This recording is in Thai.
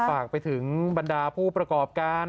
ฝากไปถึงบรรดาผู้ประกอบการ